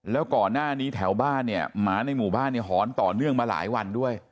แล้วก่อนหน้านี้แถวบ้านเนี่ยหมาในหมู่บ้านเนี่ยหอนต่อเนื่องมาหลายวันด้วย